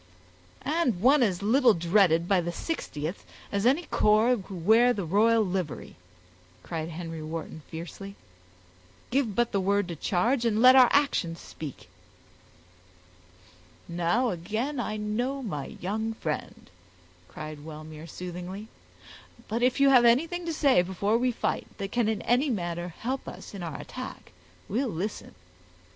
"And one as little dreaded by the 60th, as any corps who wear the royal livery," cried Henry Wharton, fiercely. "Give but the word to charge, and let our actions speak." "Now again I know my young friend," cried Wellmere, soothingly; "but if you have anything to say before we fight, that can in any manner help us in our attack, we'll listen.